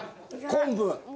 昆布？